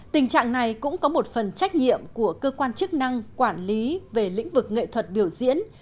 tình trạng này cũng có một phần trách nhiệm của cơ quan chức năng quản lý về lĩnh vực nghệ thuật biểu diễn